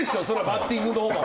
バッティングのほうも。